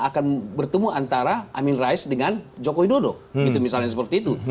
akan bertemu antara amin rais dengan joko widodo gitu misalnya seperti itu